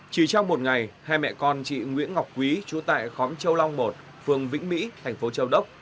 chỉ trong một ngày hai mẹ con chị nguyễn ngọc quý chú tại khóm châu long một phường vĩnh mỹ thành phố châu đốc